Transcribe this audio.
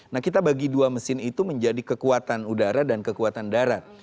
nah kita bagi dua mesin itu menjadi kekuatan udara dan kekuatan darat